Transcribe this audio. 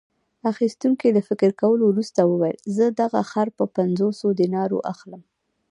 اخیستونکي له فکر کولو وروسته وویل: زه دغه خر په پنځوسو دینارو اخلم.